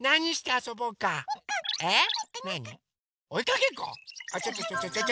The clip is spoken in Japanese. あっちょちょちょちょ。